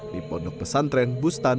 di pondok pesantren al quran raksasa ini